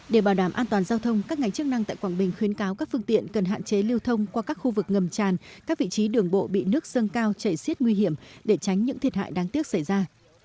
để bảo đảm an toàn giao thông các ngành chức năng tại quảng bình khuyến cáo các phương tiện cần hạn chế lưu thông qua các khu vực ngầm tràn các vị trí đường bộ bị nước dâng cao chảy xiết nguy hiểm để tránh những thiệt hại đáng tiếc xảy ra